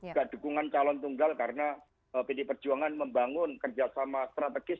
juga dukungan calon tunggal karena pd perjuangan membangun kerjasama strategis